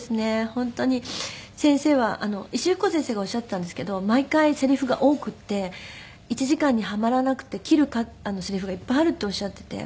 本当に先生は石井ふく子先生がおっしゃっていたんですけど毎回セリフが多くって１時間にはまらなくて切るセリフがいっぱいあるっておっしゃっていて。